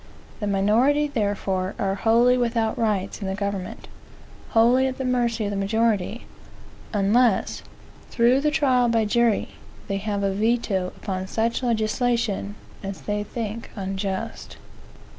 The minority, therefore, are wholly without rights in the government, wholly at the mercy of the majority, unless, through the trial by jury, they have a veto upon such legislation as they think unjust.